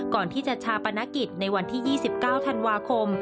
ก่อนที่จะชาปนกิจในวันที่๒๙ธันวาคม